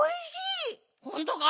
ほんとか！？